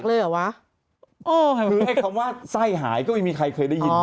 คือแค่คำว่าไส้หายก็ไม่มีใครเคยได้ยิน